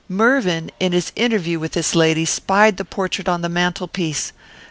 Mervyn, in his interview with this lady, spied the portrait on the mantel piece.